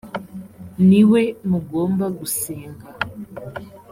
ni we mugomba gusenga;